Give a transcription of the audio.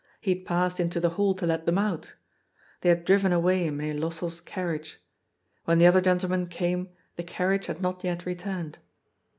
He had passed into the hall to let them out. They had driven away in Mynheer Lossell's carriage. When the other gen tleman came the carriage had not yet returned.